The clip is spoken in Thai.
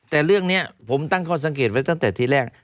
แต่เรื่องนี้ผมตั้งข้อสังเกตไว้ตั้งแต่ที่แรก